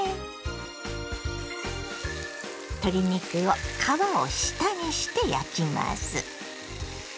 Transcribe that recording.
鶏肉を皮を下にして焼きます。